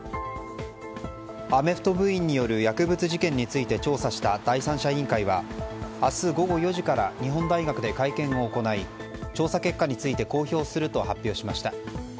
アメフト部員による薬物事件について調査した第三者委員会は明日午後４時から日本大学で会見を行い調査結果について公表すると発表しました。